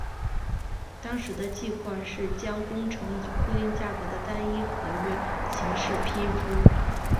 当时的计划是将工程以固定价格的单一合约形式批出。